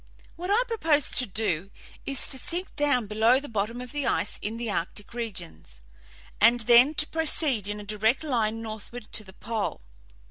"What I propose to do is to sink down below the bottom of the ice in the arctic regions, and then to proceed in a direct line northward to the pole.